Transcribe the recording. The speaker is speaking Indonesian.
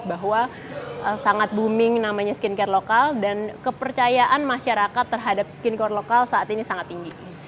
bahwa sangat booming namanya skincare lokal dan kepercayaan masyarakat terhadap skincare lokal saat ini sangat tinggi